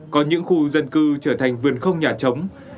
còn những khu dân cư trở thành vườn không nhà chống